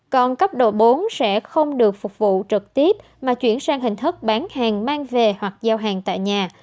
còn cấp độ bốn sẽ không được phục vụ trực tiếp mà chuyển sang hình thức bán hàng mang về hoặc giao hàng tại nhà